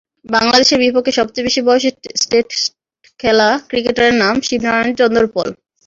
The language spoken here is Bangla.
বাংলাদেশের বিপক্ষে সবচেয়ে বেশি বয়সে টেস্ট খেলা ক্রিকেটারের নাম শিবনারায়ণ চন্দরপল।